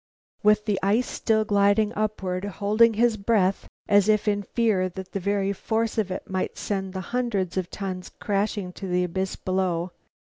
With the ice still gliding upward, holding his breath, as if in fear that the very force of it might send the hundreds of tons crashing to the abyss below.